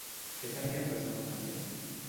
Què tenia resolt a fer?